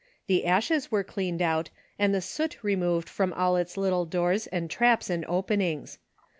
The ashes were cleaned out, and the soot removed from all its little doors and traps and openings.